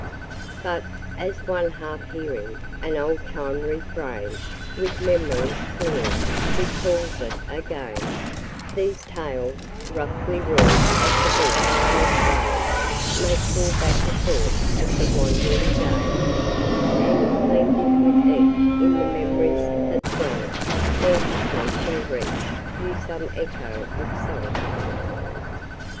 But, as one half hearing An old time refrain, With memory clearing, Recalls it again, These tales, roughly wrought of The bush and its ways, May call back a thought of The wandering days, And, blending with each In the mem'ries that throng, There haply shall reach You some echo of song.